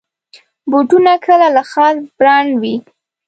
بوټونه کله له خاص برانډ وي.